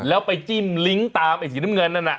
แล้วไปจิ้มลิงก์ตามไอ้สีน้ำเงินนั่นน่ะ